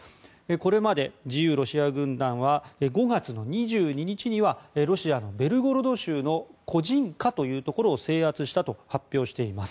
これまで自由ロシア軍団は５月２２日にはロシアのベルゴロド州のコジンカというところを制圧したと発表しています。